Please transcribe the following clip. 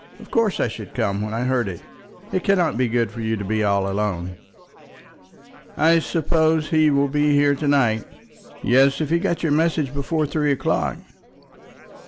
Of course I should come when I heard it. It cannot be good for you to be all alone." "I suppose he will be here to night?" "Yes, if he got your message before three o'clock."